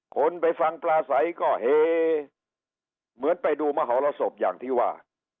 คนไปฟังปลาใสก็เฮเหมือนไปดูมหรสบอย่างที่ว่า